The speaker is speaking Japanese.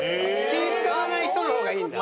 気ぃ使わない人の方がいいんだ？